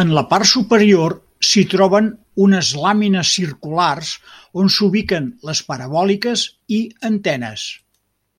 En la part superior s'hi troben unes làmines circulars on s'ubiquen les parabòliques i antenes.